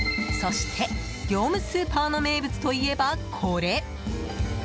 そして業務スーパーの名物といえば、これ。